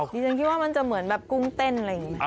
ดิฉันคิดว่ามันจะเหมือนแบบกุ้งเต้นอะไรอย่างนี้